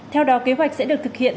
theo đó kế hoạch sẽ được thực hiện